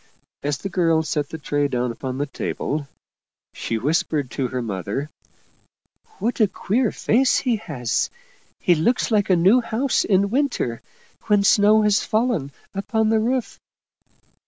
As the girl set the tray down upon the table she _ whispered 39 German Mystery Stories to her mother :" What a queer face he has ! He looks like a new house in winter, when snow has fallen upon the roof."